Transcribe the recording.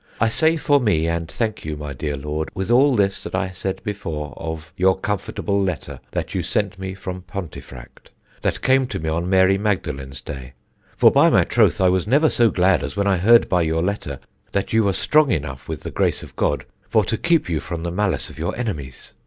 I say for me, and thank you, my dear Lord, with all this that I said before of [for] your comfortable letter that you sent me from Pontefract, that came to me on Mary Magdalen's day: for by my troth I was never so glad as when I heard by your letter that ye were strong enough with the grace of God for to keep you from the malice of your enemies.